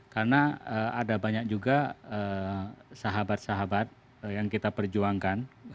karena ada banyak juga sahabat sahabat yang kita perjuangkan